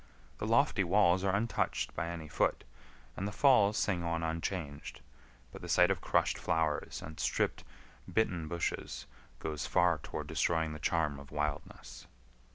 The lofty walls are untouched by any foot, and the falls sing on unchanged; but the sight of crushed flowers and stripped, bitten bushes goes far toward destroying the charm of wildness.